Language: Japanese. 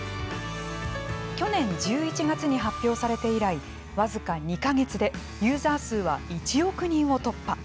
去年１１月に発表されて以来わずか２か月でユーザー数は１億人を突破。